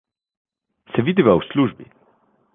Se vidiva v službi.